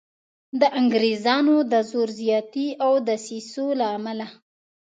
د انګریزانو د زور زیاتي او دسیسو له امله.